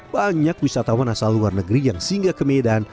banyak wisatawan asal luar negeri yang singgah ke medan